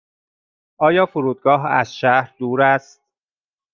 آیا فرودگاه از شهر دور است؟